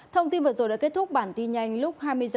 thông tin vừa rồi đã kết thúc bản tin nhanh lúc hai mươi h